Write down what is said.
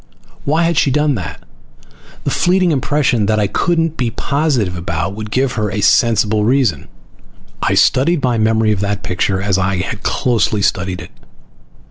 Why had she done that? The fleeting impression that I couldn't be positive about would give her a sensible reason. I studied my memory of that picture as I had closely studied it.